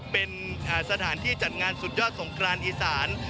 เป็นสถานที่จัดงานสุดยอดของกรานอิสรรค์